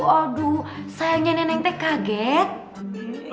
aduh sayangnya nenek kaget